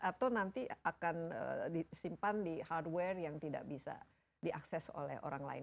atau nanti akan disimpan di hardware yang tidak bisa diakses oleh orang lain